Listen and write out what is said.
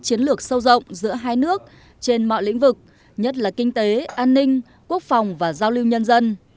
chiến lược sâu rộng giữa hai nước trên mọi lĩnh vực nhất là kinh tế an ninh quốc phòng và giao lưu nhân dân